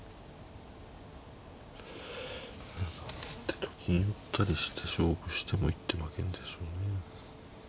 成ってと金寄ったりして勝負しても一手負けるんでしょうね。